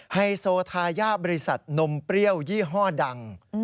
ไฮโซทายาทบริษัทนมเปรี้ยวยี่ห้อดัง